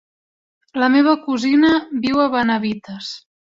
La meva cosina viu a Benavites.